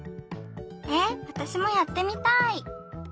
えっわたしもやってみたい！